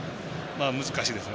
難しいですね。